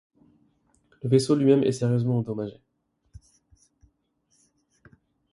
Le vaisseau lui-même est sérieusement endommagé.